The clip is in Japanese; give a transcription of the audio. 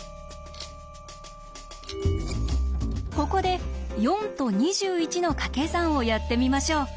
ここで４と２１のかけ算をやってみましょう。